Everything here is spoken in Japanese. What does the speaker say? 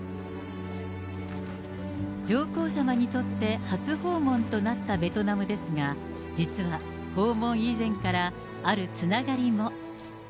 上皇さまにとって初訪問となったベトナムですが、実は、訪問以前からあるつながりも。